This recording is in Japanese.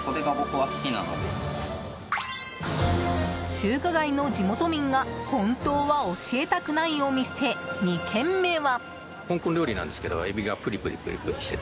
中華街の地元民が本当は教えたくないお店２軒目は。